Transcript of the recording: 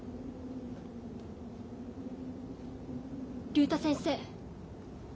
竜太先生。